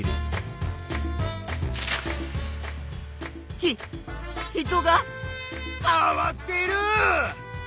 ひ人がかわっている！